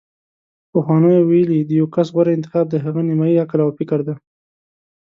پخوانیو ویلي: د یو کس غوره انتخاب د هغه نیمايي عقل او فکر دی